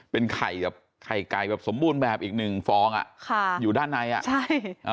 เป็นไข่แบบไข่ไก่แบบสมบูรณ์แบบอีกหนึ่งฟองอ่ะค่ะอยู่ด้านในอ่ะใช่อ่า